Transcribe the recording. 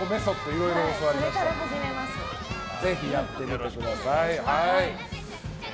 いろいろ教わりましたからぜひやってみてください。